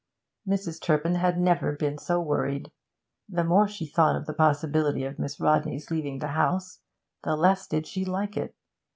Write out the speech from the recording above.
Mrs. Turpin had never been so worried. The more she thought of the possibility of Miss Rodney's leaving the house, the less did she like it.